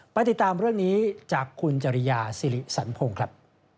ติดตามเรื่องนี้จากคุณจริยาสิริสันพงศ์ครับ